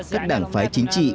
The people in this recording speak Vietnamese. các đảng phái chính trị